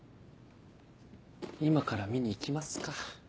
今から見に行きますか。